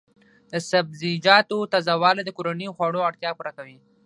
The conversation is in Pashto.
د سبزیجاتو تازه والي د کورنیو خوړو اړتیا پوره کوي.